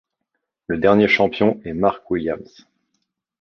Le dernier champion est Mark Williams.